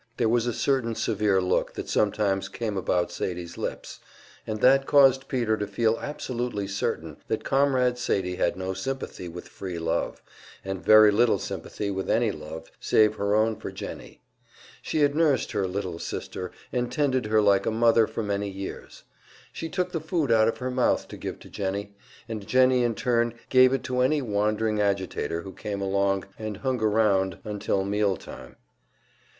There was a certain severe look that sometimes came about Sadie's lips, and that caused Peter to feel absolutely certain that Comrade Sadie had no sympathy with "free love," and very little sympathy with any love save her own for Jennie. She had nursed her "little sister" and tended her like a mother for many years; she took the food out of her mouth to give to Jennie and Jennie in turn gave it to any wandering agitator who came along and hung around until mealtime.